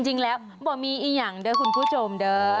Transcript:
จริงแล้วบ่มีอียังเด้อคุณผู้ชมเด้อ